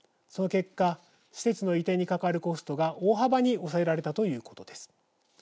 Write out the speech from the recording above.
その結果施設の移転にかかるコストが大幅に抑えられたということです。